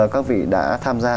các vị đã tham gia